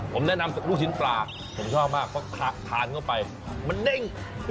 ผมแนะนำลูกชิ้นปลาผมชอบมากเพราะทานเข้าไปมันเด้ง